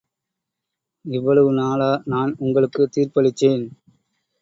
இவ்வளவு நாளா... நான் உங்களுக்கு தீர்ப்பளிச்சேன்.